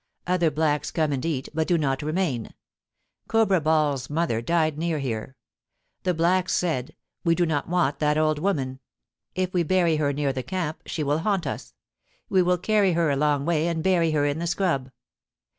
' Other blacks come and eat, but do not remain. Cobra Ball's mother died near here. The blacks said, *' We do not want that old woman. If we bury her near the camp, she will haunt us : we will carry her a long way and bury her in the scrub.'